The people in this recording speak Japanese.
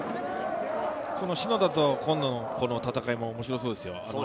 篠田と今野の戦いも面白そうですよ。